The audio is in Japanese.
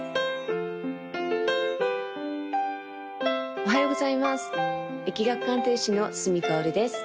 おはようございます易学鑑定士の角かおるです